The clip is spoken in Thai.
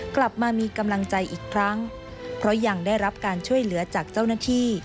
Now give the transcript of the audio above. กลับมามีกำลังใจอีกครั้งเพราะยังได้รับการช่วยเหลือจากเจ้าหน้าที่